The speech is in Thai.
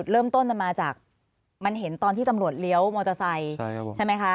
เริ่มต้นมันมาจากมันเห็นตอนที่ตำรวจเลี้ยวมอเตอร์ไซค์ใช่ไหมคะ